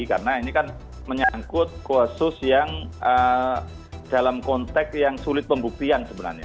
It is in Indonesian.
karena ini kan menyangkut kasus yang dalam konteks yang sulit pembuktian